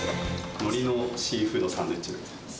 のりのシーフードサンドイッチです。